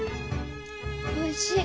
おいしい。